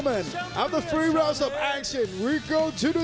กลับมากินการสัญลักษณ์